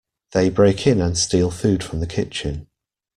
They break in and steal food from the kitchen.